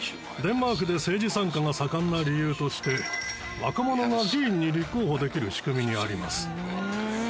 デンマークで政治参加が盛んな理由として若者が議員に立候補できる仕組みにあります。